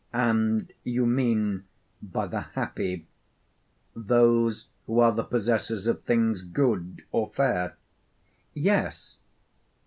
'And you mean by the happy, those who are the possessors of things good or fair?' 'Yes.'